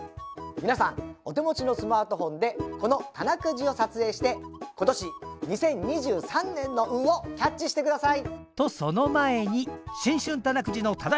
皆さんお手持ちのスマートフォンでこのたなくじを撮影して今年２０２３年の運をキャッチして下さい！